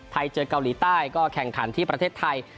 เจอเกาหลีใต้ก็แข่งขันที่ประเทศไทย